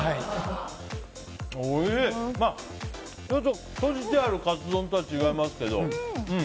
とじてあるカツ丼とは違いますけど。